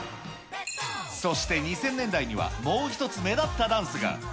そして２０００年代には、もう一つ、目立ったダンスが。